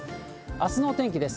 あすのお天気です。